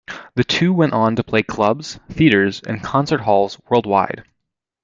The two went on to play clubs, theatres and concert halls worldwide.